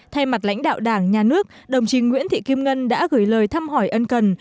thay mặt lãnh đạo đảng nhà nước đồng chí nguyễn thị kim ngân đã gửi lời thăm hỏi ân cần